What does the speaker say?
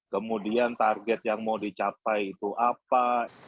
kemudian target yang mau dicapai itu apa